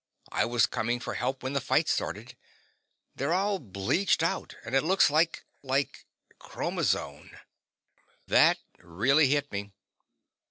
I was coming for help when the fight started. They're all bleached out. And it looks like like chromazone!" That really hit me.